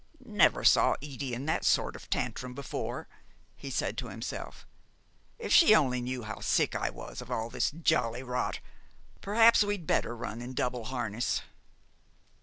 "Never saw Edie in that sort of tantrum before," he said to himself. "If she only knew how sick I was of all this jolly rot, p'r'aps we'd run better in double harness."